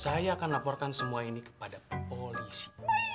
saya akan laporkan semua ini kepada polisi